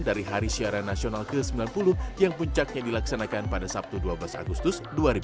dari hari siaran nasional ke sembilan puluh yang puncaknya dilaksanakan pada sabtu dua belas agustus